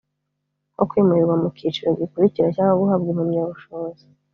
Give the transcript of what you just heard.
nko kwimurirwa mu kiciro gikurikira cyangwa guhabwa impamyabushobozi.